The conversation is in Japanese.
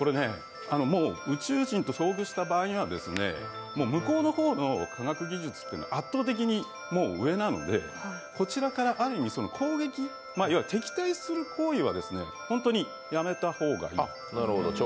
もう宇宙人と遭遇した場合には、向こうの方の科学技術は圧倒的にもう上なのでこちらからある意味、攻撃、敵対する行為は本当にやめた方がいい。